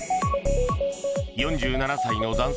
４７歳の男性